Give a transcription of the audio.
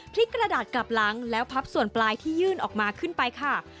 กระดาษกลับหลังแล้วพับส่วนปลายที่ยื่นออกมาขึ้นไปค่ะ